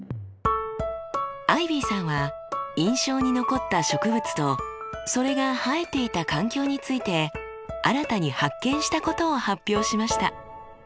アイビーさんは印象に残った植物とそれが生えていた環境について新たに発見したことを発表しました。